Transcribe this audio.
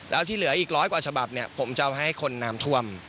แล้วที่เหลืออีกร้อยกว่าฉบับเนี่ยผมจะเอาให้คนน้ำท่วม